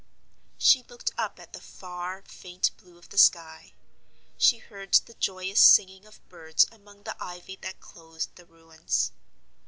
She looked up at the far faint blue of the sky. She heard the joyous singing of birds among the ivy that clothed the ruins.